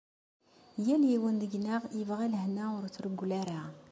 Yal yiwen deg-neɣ yebɣa lehna ur trewwel ara.